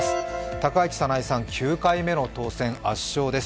高市早苗さん、９回目の当選、圧勝です。